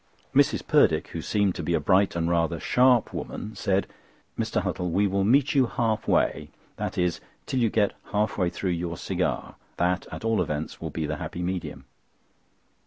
Mrs. Purdick, who seemed to be a bright and rather sharp woman, said: "Mr. Huttle, we will meet you half way—that is, till you get half way through your cigar. That, at all events, will be the happy medium."